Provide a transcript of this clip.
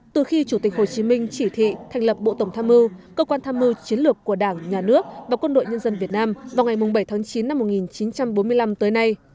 từ khi chủ tịch hồ chí minh chỉ thị thành lập bộ tổng tham mưu cơ quan tham mưu chiến lược của đảng nhà nước và quân đội nhân dân việt nam vào ngày bảy tháng chín năm một nghìn chín trăm bốn mươi năm tới nay